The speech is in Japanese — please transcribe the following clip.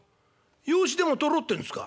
養子でも取ろうってんですか？」。